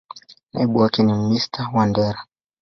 Naibu wake ni Mr.Wandera.